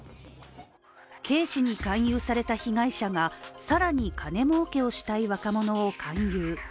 Ｋ氏に勧誘された被害者が更に金もうけをしたい若者を勧誘。